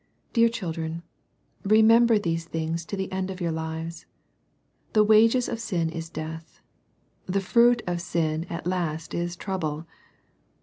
Dear children, remember these things to the end of your lives. The wages of sin is death. The fruit of sin at last is trouble.